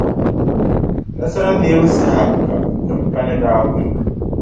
Nasara neebu saha ka timpani daa kum.